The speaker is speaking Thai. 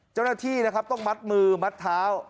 เจ้าหน้าที่นะครับต้องมัดมือมัดเท้า